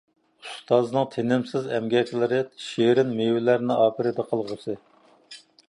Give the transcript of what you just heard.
ئۇستازنىڭ تىنىمسىز ئەمگەكلىرى شېرىن مېۋىلەرنى ئاپىرىدە قىلغۇسى!